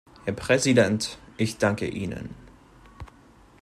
Herr Präsident, ich danke Ihnen.